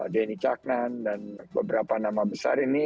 denny caknan dan beberapa nama besar ini